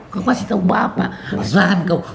kau pasti tau apa apa masalah kau